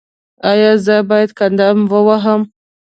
ایا زه باید قدم ووهم؟